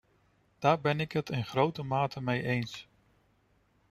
Daar ben ik het in grote mate mee eens.